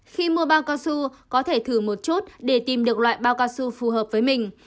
khi mua bao cao su có thể thử một chút để tìm được loại bao cao su phù hợp với mình